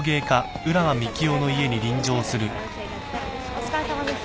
お疲れさまです。